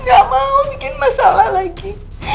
gak mau bikin masalah lagi